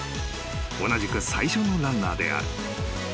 ［同じく最初のランナーである］